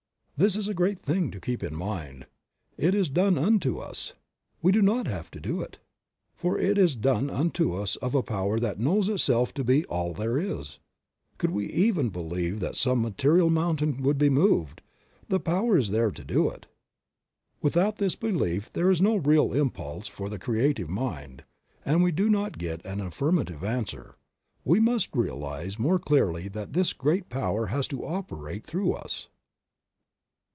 This is a great thing to keep in mind. It is done unto us; we do not have to do it, for it is done unto us of a power that knows itself to be all there is. Could we even believe that some material mountain would be moved, the power is there to do it. Without this belief there is no re, al impulse for the Creative Mind, and we do not get an affirmative answer. We must realize more clearly that this Great Power has to operate through us.